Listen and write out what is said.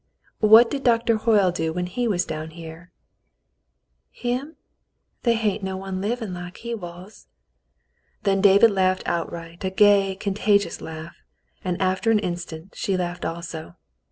"What did Doctor Hoyle do when he was down here ?" "Him ? They hain't no one livin' like he was." Then David laughed outright, a gay, contagious laugh, and after an instant she laughed also.